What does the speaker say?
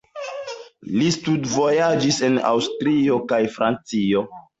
Li studvojaĝis en Aŭstrio kaj Francio.